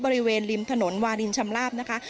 บริเวณริมถนนวารินชำลาบนะคะ